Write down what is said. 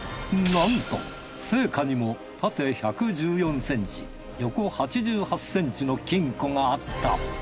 なんと生家にもタテ１１４ｃｍヨコ８８ｃｍの金庫があった。